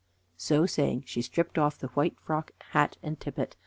So saying, she stripped off the white frock, hat, and tippet.